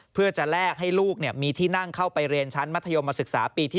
เพื่อจะแลกให้ลูกมีที่นั่งเข้าไปเรียนชั้นมัธยมศึกษาปีที่๑